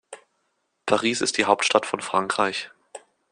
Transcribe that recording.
Paris ist die Hauptstadt von Frankreich.